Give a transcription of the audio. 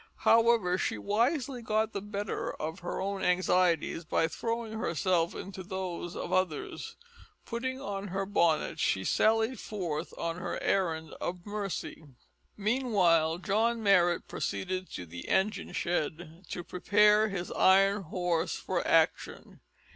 However, she wisely got the better of her own anxieties by throwing herself into those of others. Putting on her bonnet she sallied forth on her errand of mercy. Meanwhile John Marrot proceeded to the engine shed to prepare his iron horse for action.